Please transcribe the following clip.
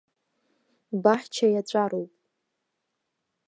Баҳча иаҵәароуп.